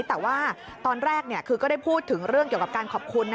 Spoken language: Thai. แต่ว่าตอนแรกคือก็ได้พูดถึงเรื่องเกี่ยวกับการขอบคุณ